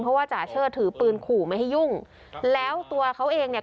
เพราะว่าจ่าเชิดถือปืนขู่ไม่ให้ยุ่งแล้วตัวเขาเองเนี่ย